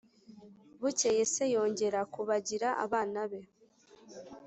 bukeye se yongera kubagira abana be.